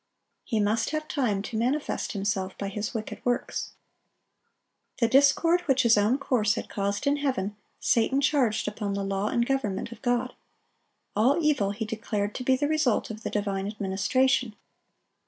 He must have time to manifest himself by his wicked works. The discord which his own course had caused in heaven, Satan charged upon the law and government of God. All evil he declared to be the result of the divine administration.